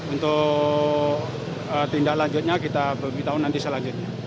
untuk tindak lanjutnya kita beritahu nanti selanjutnya